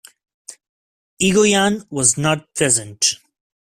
Egoyan was not present.